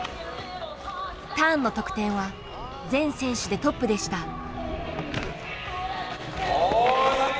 ターンの得点は全選手でトップでした。